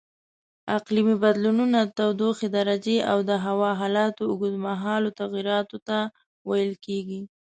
اقلیمي بدلونونه د تودوخې درجې او د هوا حالاتو اوږدمهالو تغییراتو ته ویل کېږي.